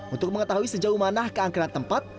untuk mengetahui sejauh mana keangkiran tempat